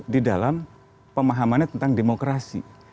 di dalam pemahamannya tentang demokrasi